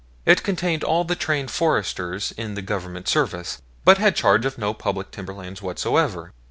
It contained all the trained foresters in the Government service, but had charge of no public timberland whatsoever.